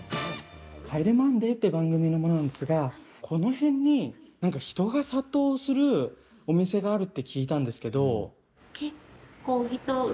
『帰れマンデー』って番組の者なんですがこの辺になんか人が殺到するお店があるって聞いたんですけど。